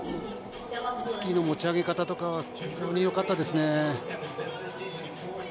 スキーの持ち上げ方とか非常によかったですね。